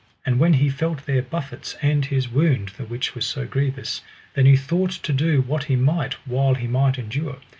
And when he felt their buffets and his wound, the which was so grievous, then he thought to do what he might while he might endure.